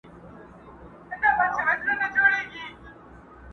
نه په وطن کي آشیانه سته زه به چیري ځمه؛